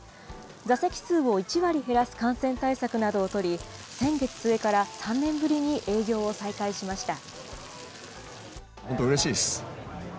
座席数を１割減らす感染対策などを取り、先月末から３年ぶりに営業を再開しました。